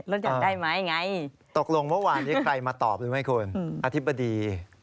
อยากได้ไหมไงตกลงเมื่อวานนี้ใครมาตอบรู้ไหมคุณอธิบดี